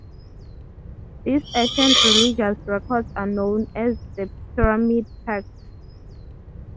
These ancient religious records are known as the Pyramid Texts.